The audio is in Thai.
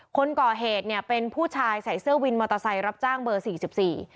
คนก่อเหตุเนี่ยเป็นผู้ชายใส่เสื้อวินมอเตอร์ไซค์รับจ้างเบอร์สี่สิบสี่